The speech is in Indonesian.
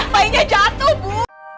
bayinya jatuh bu